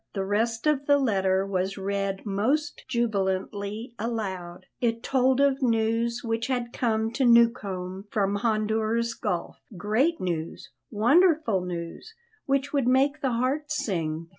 The rest of the letter was read most jubilantly aloud. It told of news which had come to Newcombe from Honduras Gulf: great news, wonderful news, which would make the heart sing.